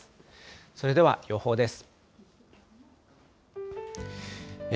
それでは予報です。